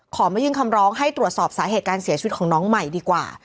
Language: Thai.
มายื่นคำร้องให้ตรวจสอบสาเหตุการเสียชีวิตของน้องใหม่ดีกว่า